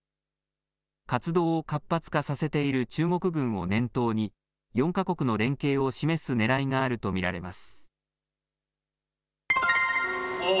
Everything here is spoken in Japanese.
活動を活発化させている中国軍を念頭に、４か国の連携を示すねらいがあると見られます。